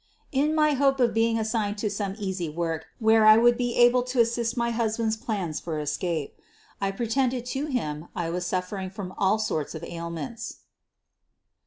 In my hope of being assigned to some easy work where I would be able to assist in my husband's plans for escape, I pre tended to him I was suffering from all sorts of ail ments.